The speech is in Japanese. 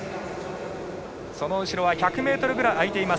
その後ろは１００ｍぐらい開いています。